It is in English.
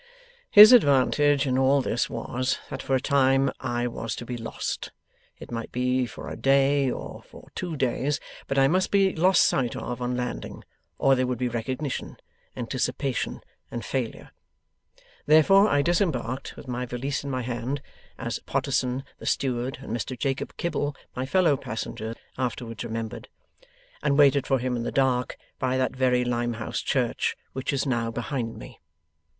'His advantage in all this was, that for a time I was to be lost. It might be for a day or for two days, but I must be lost sight of on landing, or there would be recognition, anticipation, and failure. Therefore, I disembarked with my valise in my hand as Potterson the steward and Mr Jacob Kibble my fellow passenger afterwards remembered and waited for him in the dark by that very Limehouse Church which is now behind me.